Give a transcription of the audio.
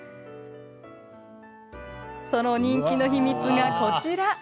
その人気の秘密が、こちら。